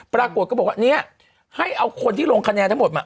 ปรากฏว่าเนี่ยให้เอาคนที่ลงคะแนนทั้งหมดมา